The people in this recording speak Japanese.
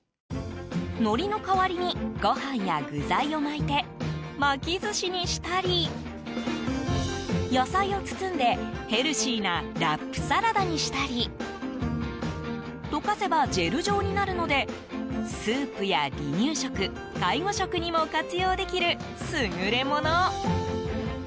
のりの代わりにご飯や具材を巻いて巻き寿司にしたり野菜を包んでヘルシーなラップサラダにしたり溶かせばジェル状になるのでスープや離乳食、介護食にも活用できる優れもの。